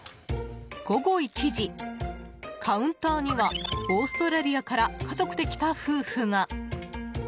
午後１時、カウンターにはオーストラリアから家族で来た夫婦が。